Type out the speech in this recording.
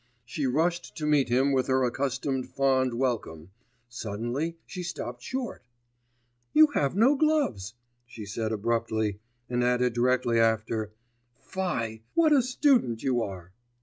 She rushed to meet him with her accustomed fond welcome; suddenly she stopped short. 'You have no gloves,' she said abruptly, and added directly after: 'Fie! what a student you are!